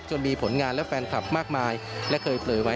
และก็มีการกินยาละลายริ่มเลือดแล้วก็ยาละลายขายมันมาเลยตลอดครับ